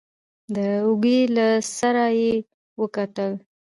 د اوږې له سره يې وکتل.